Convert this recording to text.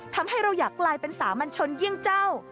ทำให้เราอยากกลายเป็นสามัญชนเยี่ยงเจ้า